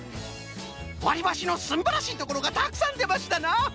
わりばしのすんばらしいところがたくさんでましたな！